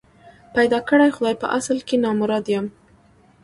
پيدا کړی خدای په اصل کي نامراد یم